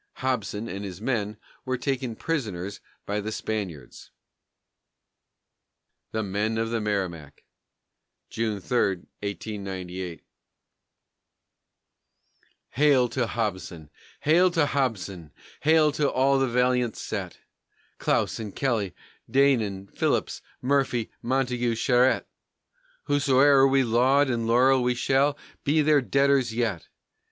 Hobson and his men were taken prisoners by the Spaniards. THE MEN OF THE MERRIMAC [June 3, 1898] _Hail to Hobson! Hail to Hobson! hail to all the valiant set! Clausen, Kelly, Deignan, Phillips, Murphy, Montagu, Charette! Howsoe'er we laud and laurel we shall be their debtors yet!